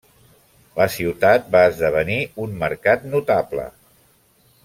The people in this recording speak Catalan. La ciutat va esdevenir un mercat notable.